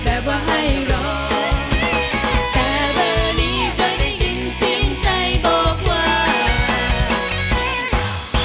แบบว่าให้รอแต่รอนี้จะได้ยินเสียงใจบอกว่า